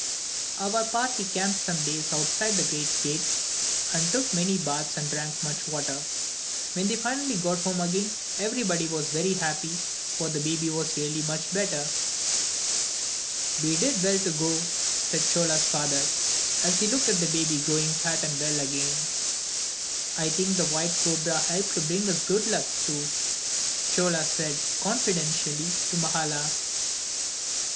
Our party camped some days outside the great gate and took many baths and drank much water. When they finally got home again, everybody was very happy, for the baby was really much better. "We did well to go," said Chola's father, as he looked at the baby growing fat and well again. "I think the white cobra helped to bring us good luck, too," Chola said, confidentially to Mahala.